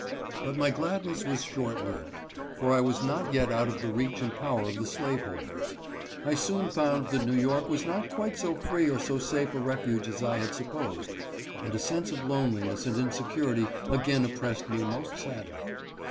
But my gladness was short lived, for I was not yet out of the reach and power of the slave holders. I soon found that New York was not quite so free or so safe a refuge as I had supposed, and a sense of loneliness and insecurity again oppressed me most sadly.